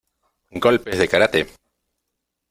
¡ Golpes de kárate!